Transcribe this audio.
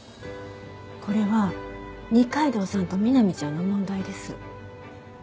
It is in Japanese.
これは二階堂さんとみなみちゃんの問題です。